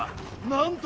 なんと！